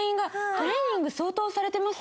トレーニング相当されてます？